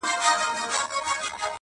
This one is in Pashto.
او پوښتني نه ختمېږي هېڅکله,